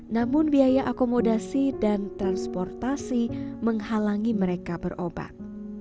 namun biaya akomodasi dan transportasi menghalangi mereka berobat